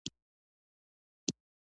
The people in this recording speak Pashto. کچالو هم د ځمکې لاندې حاصل ورکوي